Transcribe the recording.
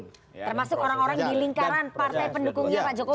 termasuk orang orang di lingkaran partai pendukungnya pak jokowi